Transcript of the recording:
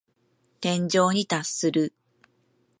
天井に達する。